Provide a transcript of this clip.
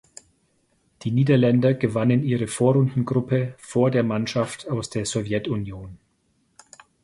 Die Niederländer gewannen ihre Vorrundengruppe vor der Mannschaft aus der Sowjetunion.